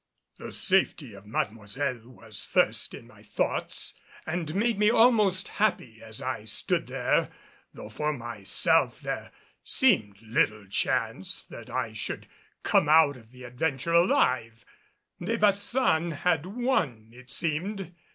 The safety of Mademoiselle was first in my thoughts and made me almost happy as I stood there, though for myself there seemed little chance that I should come out of the adventure alive. De Baçan had won, it seemed.